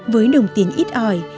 với đồng tiền ít ỏi